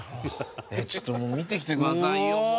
ちょっともう見てきてくださいよもう！